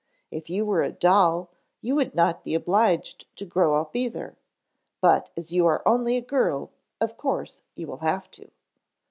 If you were a doll, you would not be obliged to grow up either. But as you are only a girl of course you will have to."